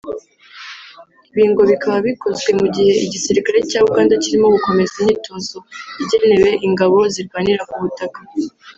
Ibi ngo bikaba bikozwe mu gihe igisirikare cya Uganda kirimo gukomeza imyitozo igenewe ingabo zirwanira ku butaka